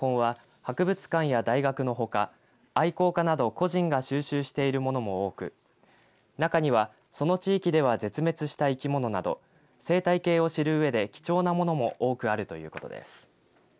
個人が収集しているものも多く中には、その地域では絶滅した生き物など生態系を知るうえで貴重なものも多くあるということです。